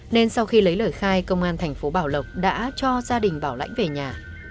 nên sau khi lấy lời khai công an thành phố bảo lộc đã cho gia đình bảo lãnh về nhà